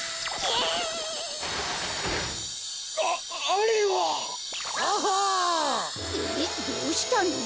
えっどうしたの？